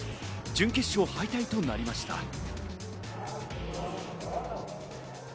準決勝敗退となりました。